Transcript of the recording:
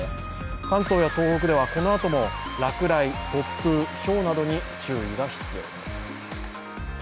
関東や東北ではこのあとも落雷、突風、ひょうなどに注意が必要です。